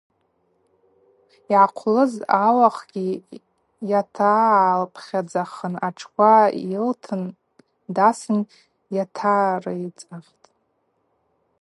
Йгӏахъвлуз ауахъгьи йатагӏалпхьадзахын атшква йылтын дасын йатарыйцахтӏ.